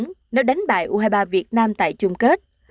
đáng nếu đánh bại u hai mươi ba việt nam tại chung kết